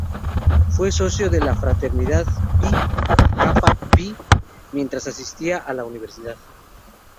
Fue socio de la fraternidad "Pi Kappa Phi" mientras asistía a la universidad.